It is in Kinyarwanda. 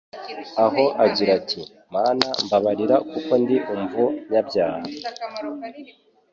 aho agira ati: «Mana mbabarira kuko ndi umvnyabyaha."»